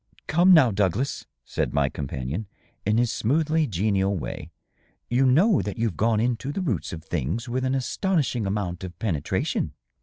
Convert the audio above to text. ''" Come, now, Douglas," said my companion, in his smoothly genial way, "you know that you've gone into the roots of things with an astonishing amount of penetration."